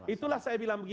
itulah saya bilang begini